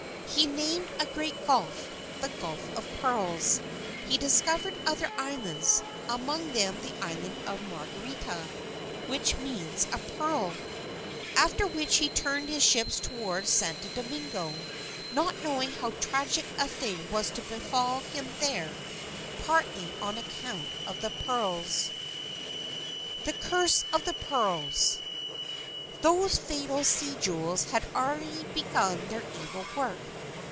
He named a great gulf, the Gulf of Pearls. He discovered other islands, among them the island of Margarita, which means a pearl. After which he turned his ships toward Santo Domingo, not knowing how tragic a thing was to befall him there, partly on account of the pearls. [Illustration: COLUMBUS EXAMINES THE PEARLS] The Curse of the Pearls Those fatal sea jewels had already begun their evil work.